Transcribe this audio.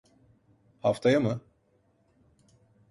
Haftaya mı?